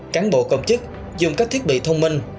cán bộ công chức dùng các thiết bị thông minh